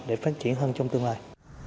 để phát triển hơn trong tương lai